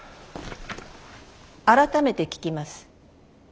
改めて聞きます。